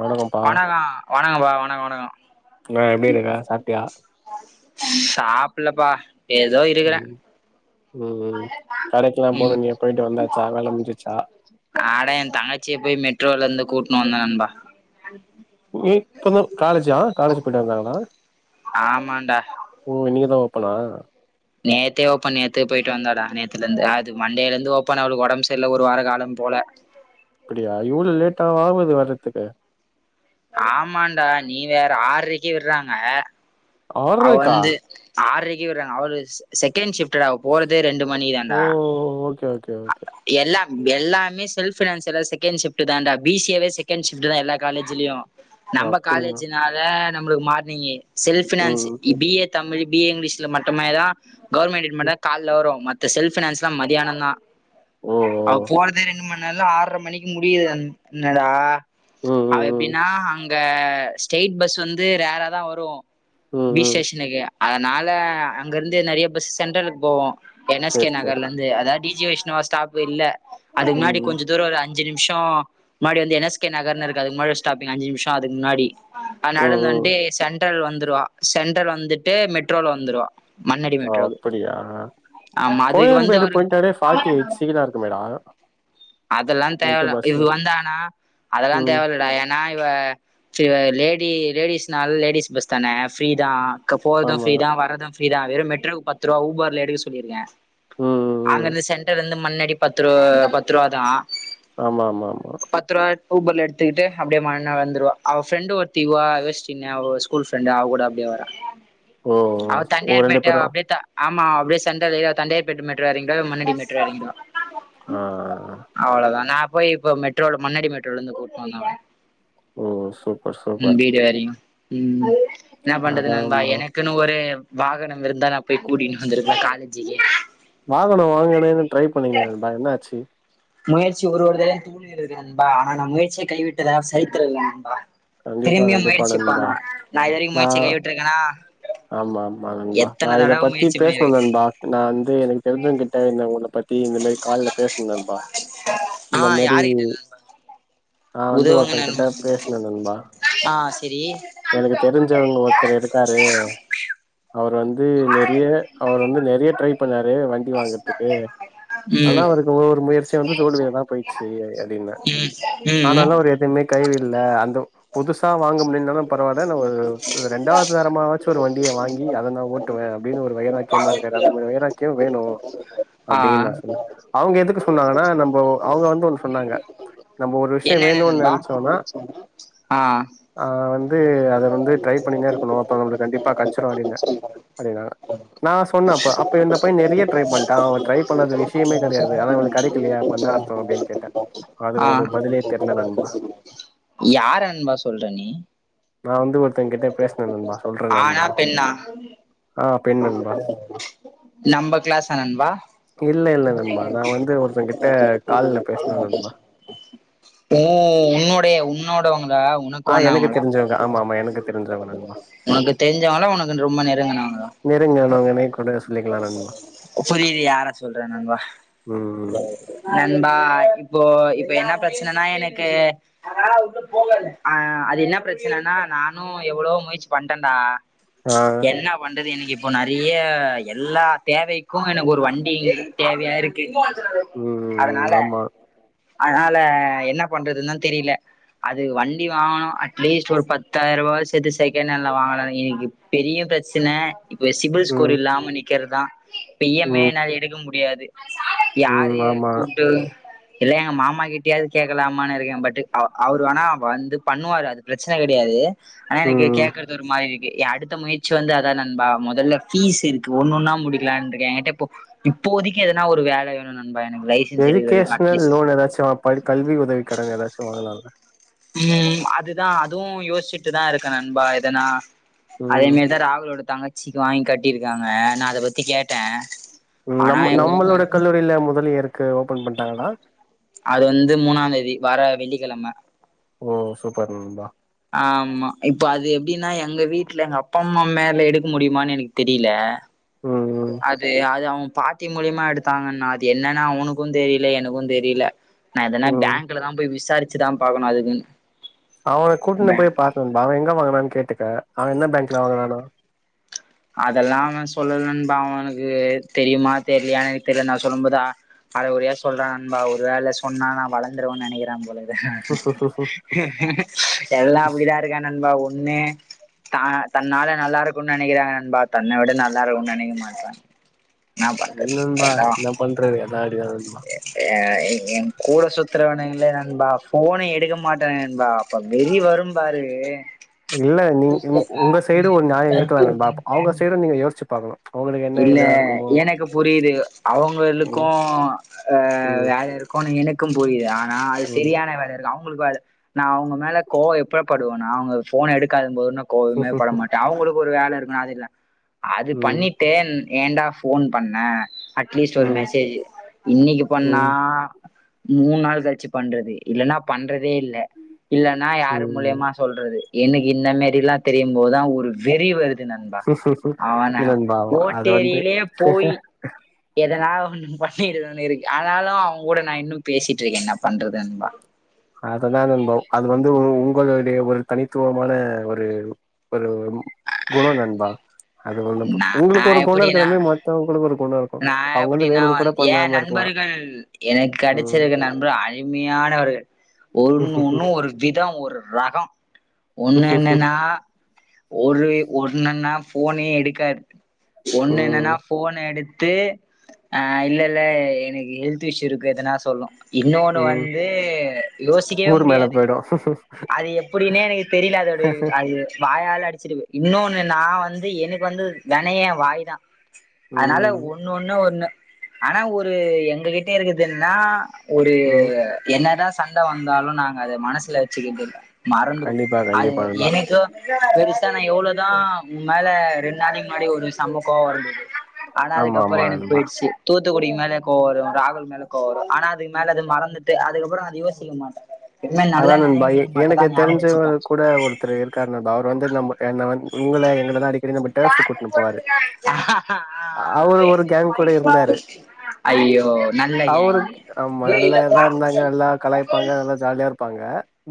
வணக்கம்ப்பா வணக்கொ வணக்கப்பா வணக்கொ வணக்கொ ஹலோ எப்டி இருக்க சாப்ட்டியா சாப்புலப்பா எதோ இருக்குறே ம் ம் ம் கடைக்கெல்லா ம் போணுனிய போயிட்டு வந்தாச்சா வேல முஞ்சுச்சா அட எ தங்கச்சிய போய் மெட்ரோல இருந்து கூட்ணு வந்த நண்பா நீ இப்பத காலேஜா காலேஜ் போய்ட்டு வந்தாங்களா ஆமான்டா ஓ இன்னிக்குதா ஓப்பனா நேத்தே ஓப்பன் நேத்தே போயிட்டு வந்தாடா நேத்துலர்ந்து அது மண்டேலந்து ஓப்பன் அவளுக்கு ஒடம்ப் செர்ல ஒரு வாரோ அவளு போல ட்டாவா ஆவுது வறத்துக்கு ஆமாண்டா நீ வேற ஆற்றைக்கு விட்றாங்க ஆற்றைக்கா ஆற்றைக்கு விட்றாங்கோ அவளு ச செகண் ஷிஃப் டுடா அவ போறதே ரெண்டு மணி ஓ தான்டா ஓகே ஓகே ஓகே எல்லா எல்லாமே செல்ஃப் ஃபினான்ஸ் எல்லா செகெண் ஷிப்ட்டு தான்டா பி சி யேவே செகெண் ஷிப்ட் தா எல்ல காலேஜிலியு ஓ நம்ப அப்டிங்களா காலேஜினால நம்மளுக்கு மார்னிங்கி செல்ஃப ஃபினான்ஸ் ம் B A Tamil B A இங்கிலீஷ்ல மட்டுமே தா கவுர்மெண்டி ம் மட்டுதா கால்ல வரு த செல்ஃப் ஃபினான்ஸ் லா மதியானந்தா ஓ அவ போறதே ரெண்டு மணி லந்து ஆற்ற மணிக்கு முடியுது இன்னடா ஓ ம் அவ ம் ம் எப்டின்னா அங் ங்க ஸ்டெய்ட் பஸ்ஸு வந்து ரேரா தா வரு ம் பீச் ம் ஸ்டேஷனுக்கு அதனால அங்க இருந்து நெறிய பஸ் சென்ட்ரலுக் போவு என் எஸ் கே சேரி சேரி நகர்லந்து அதாத் டி ஜி வைஷ்ணவா ஸ்டாப் இல்ல அதுக் ம் முன்னாடி ம் கொஞ்ச தூரோ [unintelligible] அஞ்சு நிம்ஷோ முன்னாடி வந்து என் எஸ் கே நகர்ன் இருக்கு முன்னாடி ஸ்டாப்பிங் அஞ்சு நிமிஷோ அதுக்கு முன்னாடி அ ம் நடந்து ம் வந்ட்டு சென்ட்ரல் வந்துருவா சென்ட்ரல் வந்துட்டு மெட்ரோல வந்துருவா மண்ணடி ஒ மெட்ரோக்கு அப்படியா ஆமா அதுக்கு வந்து கோயம்பேடு அவரு போய்ட்டாளே ஃபாடி எயிட் சீலா இருக்குமே டா அதெல்லா தேவல இது வந்தானா அதெல்லா ம் தேவயில்ல ஏன்னா இவ ச இவ லேடி லேடிஸ்னால லேடிஸ் பஸ் தான ஃப்ரீ தா க்க போற்து ஆமா ஃப்ரீதா வரது ஃப்ரீதா வெறு மெட்ரோக்கு பத்துருவா ஊபர்ல எடுக்க சொல்லிருக்க ம் ம் ம் அங்கந்து சென்டர் இருந்து மண்ணடி பத்து ரூ பத்துருவா தா ஆமா ஆமா ஆமா பத்து ரூபா ஊபர்ல எடுத்துகிட்டு அப்டே மண்ண வந்துர்வா அவ ஃப்ரெண்டு ஒர்த்தி உ அ யுவஸ்ரீ னு அவ ஸ்கூல் ஃப்ரண்டு அவு கூட அப்டே வரா ஓ அவ ஓ ரெண்டு தண்டயார்பேட்ட அவ பேரும் அப்டே த ஆமா அப்டே சென்ட்ரல்ல ஏறி அவ் தண்டயார்பேட் மெ [unintelligible] எறங்டுவா இல்ல மண்ணடி மெட்ரோ எறங்கிடுவா அ அ அ அவ்ளோதா நா போய் இப்ப மெட்ரோல மண்ணடி மெட்ரோலந்து கூப்னு வந்த அவல ஓ சூப்பர் சூப்பர் ம் இன்னா பண்றது அதா நண்பா ப்ரோ எனக்குனு ஒரு வாகனம் இருந்தா நா போய் கூட்டினு வந்திருப காலேஜுலே வாகனோ வாங்கனுன்னு ட்ரை பண்ணிங்களே நண்பா என்ன ஆச்சு முயற்சி ஒரு ஒரு தடவையு தோல்வியடையுது நன்பா ஆனா நா முயற்சிய கைவிட்டதா சரித்திரோ இல்ல நண்பா கண்டிப்பா திரும்பியு கண்டிப்பா முயற்சி நண்பா பண்ணுவ நா இது வரிக்கு முயற்சிய கை விட்ருக்கனா ஆமா ஆமா நண்பா நா இத பத்தி பேசணு பண்ணிருக்க நண்பா நா வந்து எனக்கு தெரிஞ்சவங் கிட்ட இந்த உன்ன பத் தி இந்த மாரி கால்ல பேஸ்ன நண்பா ஆ இந்த மாரி யாருகிட்ட ஒரு நண்பா நா வந்து உதவுங்க ஒருத்தங்கிட்ட நண்பா பேஸ்ன நண் பா ஆ செரி எனக்கு தெரிஞ்சவங் ஒருத்தர் இருக்காரு அவரு வந்து நெறிய அவுர் வந்து நெறிய ட்ரை பண்ணாரு வண்டி வாங்கற்துக்கு ஆனா ம் அவுருக்கு ஒரு ஒரு முயற்சியு வந்து தோல்வில தா போய்ச்சு அப்டின்ன ம் ம் ஆனாலு அவுரு எதுமே கை விட்ல்ல அந்த புதுசா வாங்க முடில்னாலு பரவால்ல நா ஒரு ர ரெண்டாதரமாவாச்சு ஒரு வண்டிய வாங்கி அத நா ஓட்டுவ அப்டினு ஒரு வைராக்கியமா இருக்காரு அந்த மாரி வைராக்கியோ வேணு ஆ அப்டின் நா சொன்ன அவுங்க எதுக்கு சொன்னாங்கன்னா நம்போ அவுங்க வந்து ஒண் சொன்னாங்க நம்ப ஒரு விஷ்யோ என்னென்ன வேணூன் நண்பா நென்ச்சோனா ஆ ஆ வந்து அத வந்து ட்ரை பண்ணினே இருக்கணு அப்ப நம்ளுக்கு கண்டிப்பா கட்ச்சிறு அப்டின்ன அப்டினா நா சொன்னே அப்ப அப்ப இந்த பைய நெறிய ட்ரை பண்டா அவ ட்ரை பண்ணாத விஷியமே கெடயாது ஆனா இவனுக் கடைக்கலியே அப்பனா அர்த்தோ அப்டினு கேட்டே அதுல ஆ அவுங்களுக்கு பதிலே தெரில நண்பா யார நண்பா சொல்ற நீ நா வந்து ஒருத்தங்க கிட்ட பேசுனே நண்பா சொல்றே நண்பா ஆணா பெண்ணா ஆ பெண் நண்பா நம்ப கிளாஸ் ஆ நண்பா [inaudible] இல்ல இல்ல நண்பா நா வந்து ஒருத்தங்கிட்ட கால்ல பேசுன நண்பா உ உன்னோடைய உன்னோடவங்ளா உனக்கு ஆ எனக்கு வாணவங்களா தெரிஞ்சவங்க ஆமா ஆமா எனக்கு தெரிஞ்சவங்க நண்பா உனக்கு தெரிஞ்சவங்களா உனக்கு ரொம்ப நெருங்குனவங்களா நெருங்க நாங்க என்னைக் கூட சொல்லிக்கலா நண்பா புரியுது யாரா சொல்ற நண்பா ம் ம் நண்பா இப்போ இப்ப என்ன பிரச்சனைனா எனக்கு ஆ அது என்ன பிரச்சனனா நானு எவ்ளோ முயற்சி பண்டேன்டா ஆ ச் என்ன பண்றது எனக் இப் ப்போ நெறைய எல்லா தேவைக்கு எனக்கு ஒரு வண்டி தேவையா இருக்கு ம் ம் அதனால ஆமா அதனால என்ன பண்றதுன்தா தெரில அது வண் டி வாங்கணு அட்லீஸ்ட் ஒரு பத்தாயிரூபா சேத்து செகண்ட்ல வாங்கலா எனக்கு பெரிய பிரச்சன இப்ப சிபில் ஸ்கோர் ம் இல்லாம நிக்கறதா இப்ப இஎம்எ ம் என்னால எடுக்க முடியாது ம் யாரு ஆமா கூப்டது இல்ல எங்க மாமா கிட்டயாவது கேட்கலாமானு இருக்கே பட் அவர் அவரு வேணா வந் து பண்ணுவாரு அது பிரச்சன கெடையாது ஆனா எனக்கு ம் கேக்குறது ஒரு மாரி இருக்கு எ எ அடுத்த முயற்சி வந்து அதா நண்பா முதல்ல பீஸ் இருக்கு ஒண்ணு ஒன்னா முடிக்கலான்ருக்கே என்கிட்ட இப்போ இப்போதிக்கு எதனா ஒரு வேல வேணு நண் எஜுகேஷனல் லோன் ஏதாச்சு வா படி கல்வி உதவி கடன் ஏதாச்சு வாங்களால ம் ம் அதுதா அதுவு யோசிச்சுட்டு தா இருக்க நண்பா எதனா அதே ம் மாரிதா ராகுலோட தங்கச்சிக்கு வாங்கி கட்டிருக்காங்க நா அத பத்தி கேட்டே ம் நம்ம நம்மளோட கல்லூரில முதலியருக்கு ஓபன் பண்டாங்களா அது வந்து மூணாந்தேதி வர வெள்ளிக்கிழம ஓ சூப்பர் நண்பா ஆமா இப்ப அது எப்டினா எ எங்க வீட்ல எங்க அப்பா அம்மா மேல எடுக்க முடியுமானு எனக் தெரில ம் ம் அது அது அவுங் பாட்டி மூலியமா எடுத்தாங்னா அது என்னனு அவனுக்கு தெரில எனக்கு தெரில நா எதனா ம் பேங்க்ல தா போய் விசாரிச்சுதா பாக்கணு அதுக்குனு அவன கூட்டுன்டு போய் பாத்து நண்பா அவ எங்க வாங்கனானு கேட்டுக்க அவ என்ன பேங்க்ல வாங்குனானோ அதெல்லா அவ சொல்லலா நண்பா அவனுக்கு தெரியுமா தெரியலயா எனக்கு தெரியல நா சொல்லும்போது அ அரகொறையா சொல்றா நண்பா ஒரு வேல சொன்னா நா வளந்துருவேனு நெனக்கிறா போல இரு எல்லா அப்டிதா இருக்கா நண்பா ஒ ண்ணே தா தன்னால நல்லா இருக்குனு நெனக்கிறாங்க பா தன்னை விட நல்லா இருக்குனு நெனக்க மாட்றா என்னா நீ பண்றது நண்பா எல்லா என்ன பண்றது எல்லா அப்டிதா நண்பா எ என் கூட சுத்துரவனுங்களே நண்பா போன எடுக்க மாட்டாங்க நண்பா அப்ப வெறி வரும் பாரு எ இல்ல நீங் இவுங் உங்க சைடு ஒரு நியாய இருக்கலா நண்பா அவங்க சைடு நீங்க யோசுச்சு பாக்கணு அவங்களுக்கு என்ன இல்ல இதா இருக்குமோ எனக்கு புரியுது அவங்களுக்கு ம் அ ம் வேல இருக்குனு எனக் கும் புரியுது ஆனா அது ம் சரியான வேல இருக் அவு உங்களுக்கு வேல நா அவுங்க மேல கோவோ எப்ப படுவனா அவுங்க போன எடுக்காத போதுன்ன கோவமே பட மாட்டே அவுங்களுக்கு ஒரு வேல இருக்குனா அது இல்ல அது ம் பண்ணிட்டு ஏண்டா போன் பண்ண அட்லீஸ்ட் ஒரு ம் மெசேஜ் இன்னக்கு பண்ணா மூண் நாள் கழுச்சி பண்றது இல்லன்னா பண்றதே இல்ல இல்லன்னா யார் ம் மூலயமா சொல்றது இன்னு இந்த மேரில்லா தெரியு போதுதா ஒரு வெறி வருது நண்பா ம் அவன நண்பா அது வந்து [unintelligible] போயி எதனால ஒன்னு பண்ணிடனுன் இருக்கு ஆனாலு அவங் கூட நா இன்னு பேசிட்ருக்கே என்ன பண்றது நண்பா அததா நண்பா அது வந்து உ உங்களுடைய ஒரு தனித்துவமான ஒரு ஒரு ம் குணோ நண்பா அது [unintelligible] நா நா உங்ளுக்கு ஒரு கொணோ இருக்குற எப்படின்னா மாரி மத்தவங்களுக்கு ஒரு கொணோ இருக் நா எப்டின்னா வந் ஏ நண்பர்கள் எனக்கு ம் கெடைச்சிருக்க நண்பர்கள் அருமையானவர்கள் ஒன்னு ஒன்னு ஒரு விதோ ஒரு ரகோ ஒன்னு என்னன்னா ஒரு ஒன்னன்னா ஃபோனே எடுக்காது ஒன்னு என்னன்னா ம் ஃபோன் எடு த்து ஆ இல்ல இல்ல எனக் ஹெல்த் இஷ்யூ இருக்கு எதனா சொல்லு இன்னொன்னு ம் வந்து யோசிக்கவே ஊர் மேல முடியாது போயிடு அது எப்புடின்னே எனக்கு தெரில அதோட அது வாயால அடி சரி ப்ரோ இன்னொன்னு நா வந்து எனக்கு வந்து வெனயே ஏ வாய் தா அனால ம் ஒ இதுல ஒன்ன ஒன்னு ஆனா ஒரு எங்ககிட்ட இருக்குது என்னனா ஒரு ம் என்னதா சண்ட வந்தாலு நாங்க அத மனசுல வச்சுக்கிட்டு மறந்துரு கண்டிப்பா அது கண்டிப்பா நண்பா எனக்கு பெரு தா நா எவ்ளோ தா ஓ மேல ரெண்டு நநாளைக் முன்னாடி ஒரு சம்ம கோவா வருது ஆனா ஆமா அதுக்கப் ப்ற ஆமா எனக்கு நண்பா போயிடுச்சு து த்துக்குடி மேலே கோவரு ராகுல் மேல கோவரு ஆனா அதுக்கு மேல அது மறந்துட்டு அதுக்கப்றோ அது யோசிக்கமாட்ட அதா நண்பா ஏ எனக்கு தெரிஞ்சவர் வச்சுப்பே கூட ஒருத்தர் இருக்காரு நண்பா அவர் வந்து நம் என்ன வந் ங்கள எங்களதா அடிக்கடி நம்ம ஸ்டேசன் கூட்னு போவாரு அவர் ஒரு கேங் கூட இருந்தாரு ஐயோ நல்ல அவரு கேங் ஆமா நல்லாதாருந்தாங்க நல்லா கலாய்ப்பாங்க அதெல்லா ஜாலியாருப்பாங்க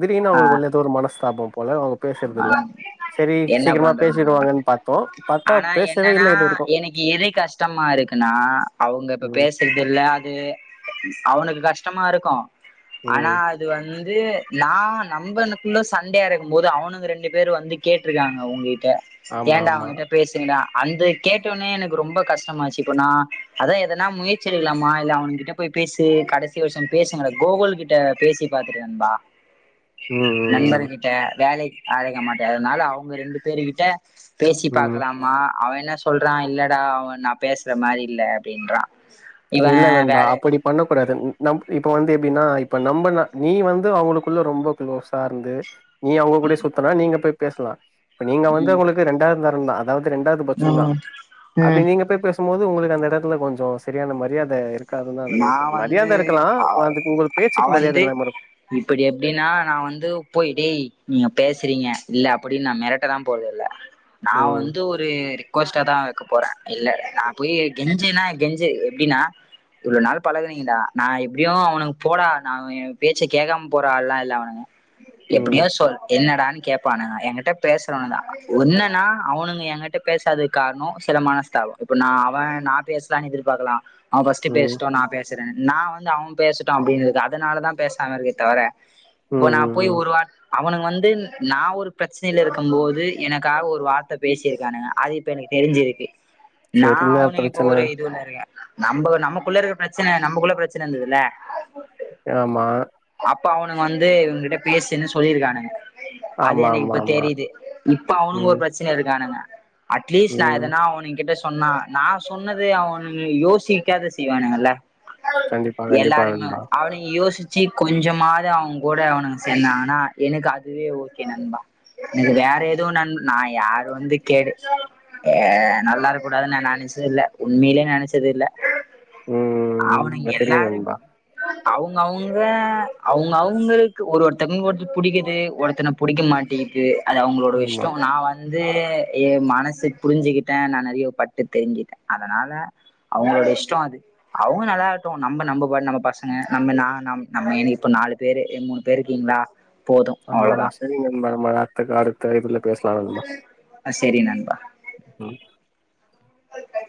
திடீர்னு அவுங்குளுக்குள்ள எதோ ஒரு மனஸ்தாபம் போல அவங்க பேசுறது இல்ல செரி என்ன சீக்கரமா பண்றது நண்பா பேசிடுவாங்கன் பாத்தோ பாத்தா ஆனா பேசவே இல்ல இது வரைக்கு இப்ப நா அவங்க இப்ப ம் பேசுறது இல்ல அது அது அவனுக்கு கஷ்டமாருக்கு ஆனா ம் அது வந்து நா நம்பனுக்குள்ள சண்டையா இருக்கும்போது அவுனுங்க ரெண்டு பேரு வந்து கேட்ருக்காங்க உங்க்கிட்ட ஆமா ஏன்டா ஆமா அவகிட்ட பேசேன்டா அந்த கேட்டோன்னே எனக்கு ரொம்ப கஷ்டமாச்சு இப்ப நா அதா எதனா முயற்சி எடுக்கலாமா இல்ல அவ கிட்ட போய் பேசு கடைசி வர்ஷோ பேசுங்க கோகுல் கிட்ட பேசி பாத்துட்ட நண்பா ம் ம் நண்பரு கிட்ட வேல [unintelligible] மாட்டே அதனால அவங்க ரெண்டு பேரு கிட்ட பேசி ம் ம் பாக்லாமா அவ என்ன சொல்றா இல்லடா அவ நா பேசுற மாரி இல்ல அப்டின்றா இல்ல நண்பா அப்டி பண்ண கூடாது நம் இப்ப வந்து எப்டின்னா இப்ப நம்ம ந நீ வந்து அவங்களுக்குள்ள ரொம்ப க்ளோஸாருந்து நீ அவங்க கூடே சுத்துனா நீங்க போய் பேஸ்லா நீங்க வந்து ம் அவுங்ளுக்கு ரெண்டாதரம் தா அதாவது ரெண்டாவது பட்சம் தா ம் அப்டி ம் நீங்க போய் பேசும்போது ஒங்களுக்கு அந்த எடத்துல கொஞ்சோ செட் [unintelligible] மரியாத இருக்காதுன் தா நா நெனைக் வந்து மரியாத இருக்கலா அது உங்க பேச்சுக்கு மரியாத இல்லாம இருக்கு இப்படி எப்டின்னா நா வந்து போய் டே நீங்க பேசுறீங்க இல்ல அப்டின் நா மிரட்ட லா போறதுல்ல நா ம் வந்து ஒரு ரிக்கோஸ்ட்டா தா போறே இல்ல நா போய் கெஞ்சுன்னா கெஞ்சு எப்டின்னா இவ்ளோ நாள் பழகுறீங்கடா நா எப்டியு அவனுக்கு போடா நா ஏ பேச்ச கேக்காம போற ஆள்லா இல்ல அவனுங்க ம் எப்டியோ சொல் என்னடான் கேப் பானுங்க எங்கிட்ட பேசுறவ தா ஒன்னா நா அவனுங்க எங்கிட்ட பேசாதுக்கு காரணோ சில மனஸ்தாபோ இப்ப நா அவ நா பேசலான் எதிர்பாக்லா ஸ்ட்டு ம் பேசட்டோ நா பேசுறே நா வந்து அவ பேசட்டு அப்டின் இருக்கே அதனால தா பேசாம இருக்கே தவர இப்போ ம் நா ம் போய் ம் ஒரு வா அவனுங் வந்து நா ஒரு பிரச்சனைல இருக்கம் போது எனக்காக ஒரு வார்த்த பேசிருக்கானுங்க அது இப்ப எனக்கு தெரிஞ்சிருக்கு நா சரி என்ன அவனுங்க இப்ப பிரச்சன ஒரு இது ஒன்னு இருக்கே நம்ப நம் நமக்குள்ள இருக்குற பிரச்சன நம்பக்குள்ள பிரச்சன இருந்துதுல்ல ஏமா இப்ப அவனுங்க வந்து இவுங்கிட்ட பேசின்னு சொல்லியிருக்கானுங்க அது ஆமா எனக்கி ஆமா இப்ப ஆமா தெரியுது இப்ப அவனுங்க ம் ஒரு பிரச்சனைல இருக்கானுங்க அட்லீஸ்ட் நா ம் எதனா அவனுங்கிட்ட சொன்னா நா சொன்னது அவனு யோசிக்காத செ திவானுங்கல்ல கண்டிப்பா கண்டிப்பா எல்லாருமே நண்பா அவனுங் யோசிச் ச்சி கொஞ்சமாது அவ்ங்கூட அவனுங்க சேந்தாங்கனா எனக்கு அதுவே ஓகே நண்பா எனக்கு வேற எதுவு நன் நா யார் வந்து கேடு் நல்லா இருக் கூடாதுன்னு நா நி சில உண்மைலே நெனச்சது இல்ல ம் அவுனுங்க ம் தெரியு எல்லாரு நண்பா அவுங்க அவுங்க அவுங்க அவுங்களுக்கு ஒரு ஒருத்தங் ஒரு புடிக்குது ஒருத்தன புடிக்க மாட்டேங்து அது அவுங்களோட ஆமா விஷ்டோ நா வந்து ஏ மனசுப் புரிஞ்சுகிட்டேன் நா நறைய பட்டு தெரிஞ்சிட்டேன் அதனால அவுங்களோட இஷ்டோ அது அவுங்க நல்லா இருக்ட்டு நம்ப நம்ப பாடு நம்ம பசங்க நம்ம நா நம் இப்ப நாலு பேரு இல்ல மூணு பேரு கீங்ளா ஆமா ஆமா சரி நண்பா நம்ம அடுத்த அடுத்த இதுல பேஸ்லா நண்பா அ செரி நண்பா ம்